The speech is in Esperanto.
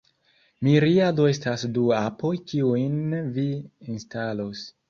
Miriado estas du apoj kiujn vi instalos